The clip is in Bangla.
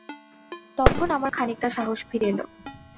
তখন আমার খানিকটা সাহস ফিরে এল।